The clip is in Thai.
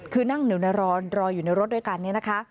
คือนั่งเหนียวนะรอรออยู่ในรถด้วยกันนี้นะคะ